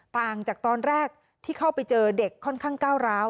ต่างจากตอนแรกที่เข้าไปเจอเด็กค่อนข้างก้าวร้าว